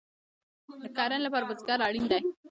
د کرنې لپاره بزګر اړین دی